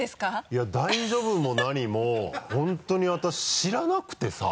いや大丈夫も何も本当に私知らなくてさ。